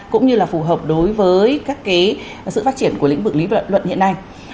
cũng như là phù hợp đối với các cái sự phát triển của lĩnh vực lý luận hiện nay